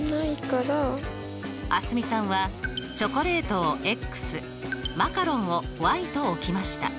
蒼澄さんはチョコレートをマカロンをと置きました。